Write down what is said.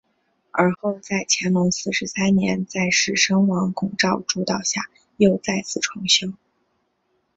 而后在乾隆四十三年在士绅王拱照主导下又再次重修。